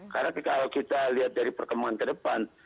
karena kalau kita lihat dari perkembangan ke depan